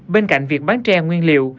bên cạnh việc bán tre nguyên liệu